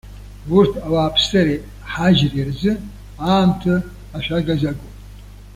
Урҭ ауааԥсыреи ҳаџьреи рзы аамҭа ашәага-загоуп.